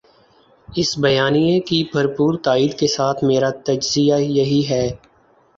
اس بیانیے کی بھرپور تائید کے ساتھ میرا تجزیہ یہی ہے